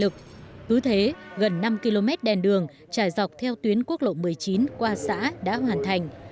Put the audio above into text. cứ thế gần năm km đèn đường trải dọc theo tuyến quốc lộ một mươi chín qua xã đã hoàn thành